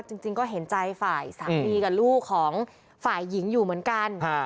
จริงก็เห็นใจฝ่ายสามีกับลูกของฝ่ายหญิงอยู่เหมือนกัน